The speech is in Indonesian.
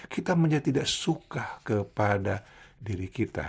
kita menjadi tidak suka kepada diri kita